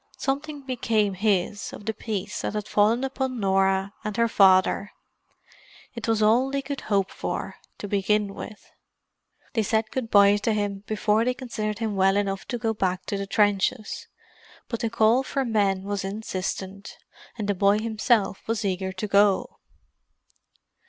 Something became his of the peace that had fallen upon Norah and her father. It was all they could hope for, to begin with. They said good bye to him before they considered him well enough to go back to the trenches. But the call for men was insistent, and the boy himself was eager to go.